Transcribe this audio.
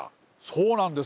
そうなんですね。